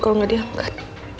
kalo gak diangkat